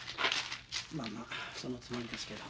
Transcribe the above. まあまあそのつもりですけど。